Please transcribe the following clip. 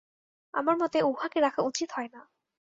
আমার মতে উঁহাকে রাখা উচিত হয় না।